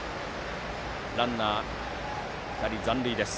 ランナー２人残塁。